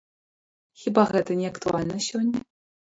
Хіба гэта не актуальна сёння?